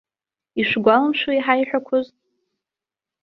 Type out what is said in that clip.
Ишәгәаламшәои иҳаиҳәақәоз.